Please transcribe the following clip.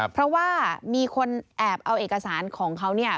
เพราะว่ามีคนแอบเอาเอกสารของเขาเนี่ย